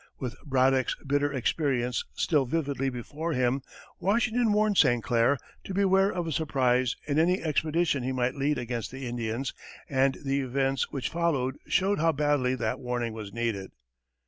With Braddock's bitter experience still vividly before him, Washington warned St. Clair to beware of a surprise in any expedition he might lead against the Indians, and the events which followed showed how badly that warning was needed.